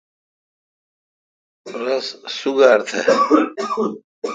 رس سوگار تھ۔